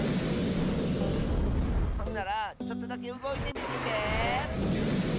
ほんならちょっとだけうごいてみるで！